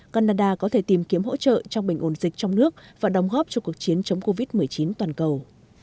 canada có thể tìm kiếm hỗ trợ trong bệnh ổn dịch trong nước và đồng hóp cho cuộc chiến chống covid một mươi chín toàn cầu